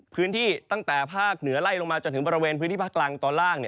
พื้นที่ตั้งแต่ภาคเหนือไล่ลงมาจนถึงบริเวณพื้นที่ภาคกลางตอนล่าง